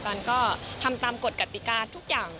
มันก็ทำตามกฎกติกาทุกอย่าง